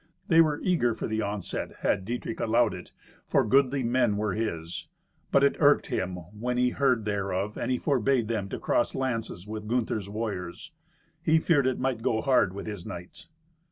They were eager for the onset, had Dietrich allowed it, for goodly men were his. But it irked him when he heard thereof, and forbade them to cross lances with Gunther's warriors. He feared it might go hard with his knights.